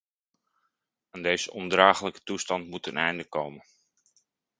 Aan deze onverdraaglijke toestand moet een einde komen.